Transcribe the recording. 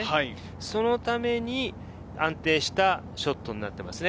そのために安定したショットになっていますね。